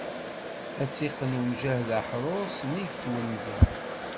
Ad tt-iqqen umjahed aḥrur, s nnig n twenza.